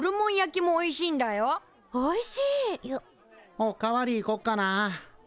お代わり行こっかな。